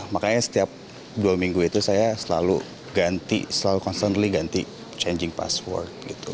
makanya setiap dua minggu itu saya selalu ganti selalu constantly ganti changing password gitu